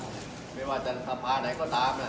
แต่เดี๋ยวแอนด์ต้องเวลาในสภาพระ